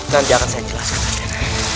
nanti akan saya jelaskan